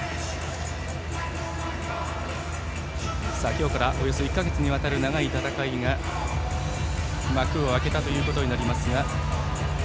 今日からおよそ１か月にわたる長い戦いが幕を開けたということになります。